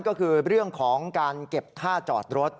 ก็คือเรื่องของการเก็บค่าจอดรถ